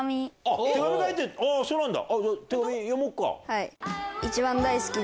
そうなんだ！